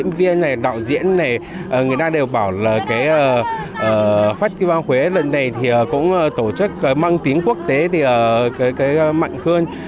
một số khán giả này một số diễn viên này đạo diễn này người ta đều bảo là cái festival huế lần này thì cũng tổ chức mang tiếng quốc tế mạnh hơn